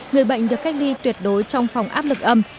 người bệnh được cách ly tuyệt đối trong phòng áp lực âm